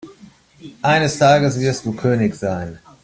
Eines Tages wirst du König sein.